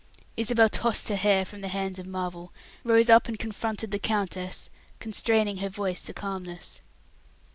Isabel tossed her hair from the hands of Marvel, rose up and confronted the countess, constraining her voice to calmness.